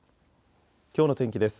きょうの天気です。